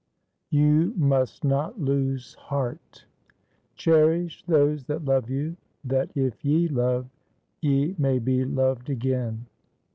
"YOU MUST NOT LOSE HEART." "Cherish those that love you; that if ye love, ye may be loved again."